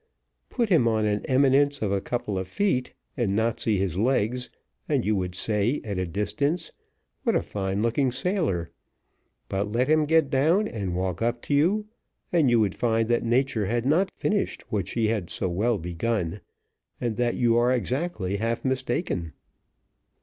Put him on an eminence of a couple of feet, and not see his legs, and you would say at a distance, "What a fine looking sailor!" but let him get down and walk up to you, and you would find that nature had not finished what she had so well begun, and that you are exactly half mistaken.